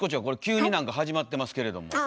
これ急に何か始まってますけれども。